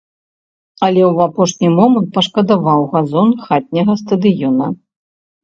Але ў апошні момант пашкадаваў газон хатняга стадыёна.